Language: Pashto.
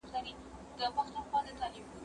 زه اوږده وخت انځور ګورم وم!!